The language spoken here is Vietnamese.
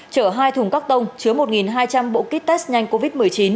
chở hai thùng các tông chứa một hai trăm linh bộ kit test nhanh covid một mươi chín